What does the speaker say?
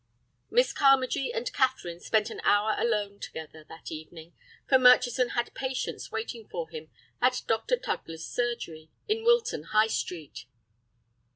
Miss Carmagee and Catherine spent an hour alone together that evening, for Murchison had patients waiting for him at Dr. Tugler's surgery in Wilton High Street.